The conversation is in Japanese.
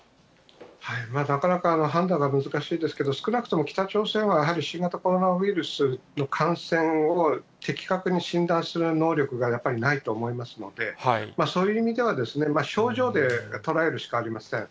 なかなか判断は難しいですけど、少なくとも北朝鮮は、やはり新型コロナウイルスの感染を的確に診断する能力がやっぱりないと思いますので、そういう意味では、症状で捉えるしかありません。